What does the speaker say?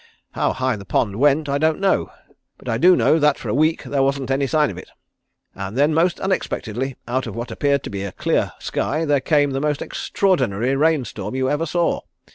How high the pond went I don't know, but I do know that for a week there wasn't any sign of it, and then most unexpectedly out of what appeared to be a clear sky there came the most extraordinary rain storm you ever saw.